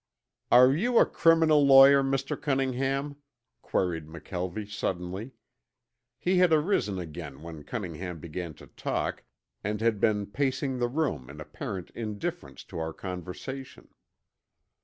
"Are you a criminal lawyer, Mr. Cunningham?" queried McKelvie suddenly. He had arisen again when Cunningham began to talk and had been pacing the room in apparent indifference to our conversation.